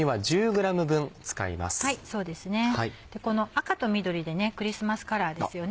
この赤と緑でクリスマスカラーですよね。